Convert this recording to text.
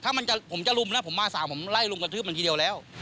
ถ้าผมจะลุมแล้วผมมาสั่งผมไล่รุมกระทืบมันทีเดียวแล้ว